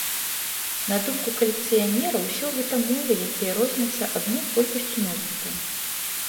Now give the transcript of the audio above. На думку калекцыянера, усё гэта мовы, якія розняцца адно колькасцю носьбітаў.